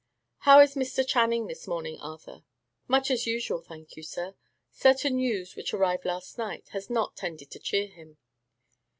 "How is Mr. Channing this morning, Arthur?" "Much as usual, thank you, sir. Certain news, which arrived last night, has not tended to cheer him."